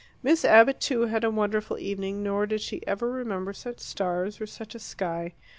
Miss Abbott, too, had a wonderful evening, nor did she ever remember such stars or such a sky.